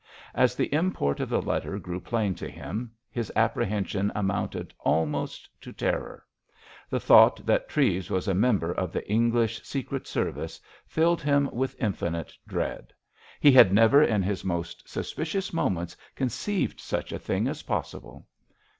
As the import of the letter grew plain to him, his apprehension amounted almost to terror. The thought that Treves was a member of the English secret service filled him with infinite dread. He had never in his most suspicious moments conceived such a thing as possible.